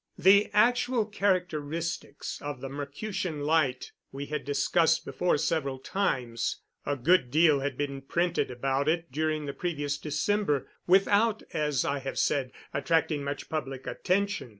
The actual characteristics of the Mercutian Light we had discussed before several times. A good deal had been printed about it during the previous December without, as I have said, attracting much public attention.